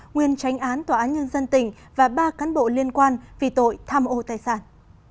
nguyên tránh án tòa án nhân dân tỉnh và ba cán bộ liên quan vì tội tham ô tài sản